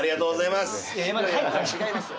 違いますよ。